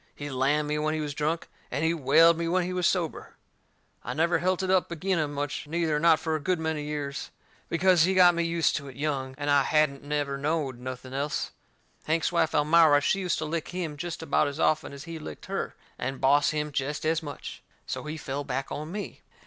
He lammed me when he was drunk, and he whaled me when he was sober. I never helt it up agin him much, neither, not fur a good many years, because he got me used to it young, and I hadn't never knowed nothing else. Hank's wife, Elmira, she used to lick him jest about as often as he licked her, and boss him jest as much. So he fell back on me.